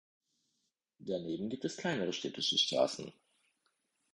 Daneben gibt es kleinere städtische Straßen.